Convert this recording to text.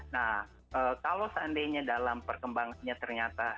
nah kalau seandainya dalam perkembangannya ternyata